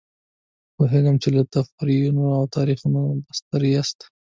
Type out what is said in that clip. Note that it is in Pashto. پوهېږم چې له تقریرونو او تاریخونو به ستړي یاست.